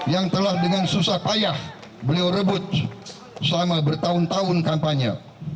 yang telah dengan susah payah beliau rebut selama bertahun tahun kampanye